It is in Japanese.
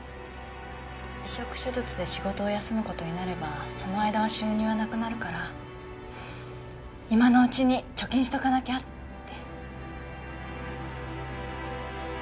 移植手術で仕事を休む事になればその間は収入がなくなるから今のうちに貯金しとかなきゃって。